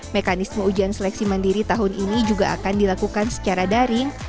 mekanisme ujian seleksi mandiri tahun ini juga akan dilakukan secara daring